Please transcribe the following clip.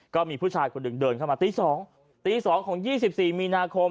ก็มีผู้ชายคนหนึ่งเดินเข้ามาตีสองตีสองของยี่สิบสี่มีนาคม